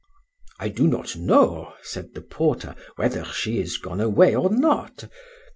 —I do not know, said the porter, whether she is gone away or not.